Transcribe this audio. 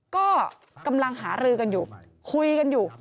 ก็กำลังหารือกันอยู่คุยกันอยู่